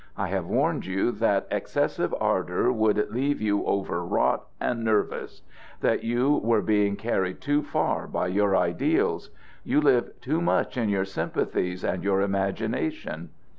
I have warned you that excessive ardor would leave you overwrought and nervous; that you were being carried too far by your ideals. You live too much in your sympathies and your imagination.